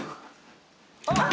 あっ！